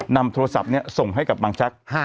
นำโทรศัพท์เนี่ยส่งให้กับบางชัก